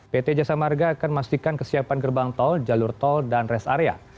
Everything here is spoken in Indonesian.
pt jasa marga akan memastikan kesiapan gerbang tol jalur tol dan rest area